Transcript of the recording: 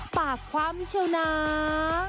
ฝากความเชียวนะ